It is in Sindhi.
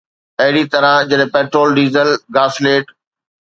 اهڙي طرح جڏهن پيٽرول، ڊيزل، گاسليٽ